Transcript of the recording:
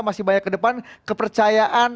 masih banyak ke depan kepercayaan